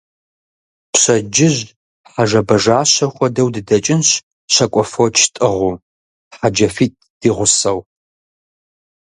Пщэдджыжь хьэжэбэжащэ хуэдэу дыдэкӀынщ, щакӀуэ фоч тӀыгъыу, хьэджафитӀ ди гъусэу.